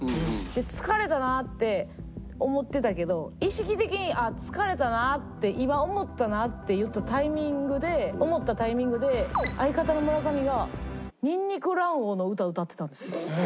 疲れたなって思ってたけど意識的にああ疲れたなって今思ったなっていったタイミングで思ったタイミングで相方の村上がにんにく卵黄の歌歌ってたんですよ。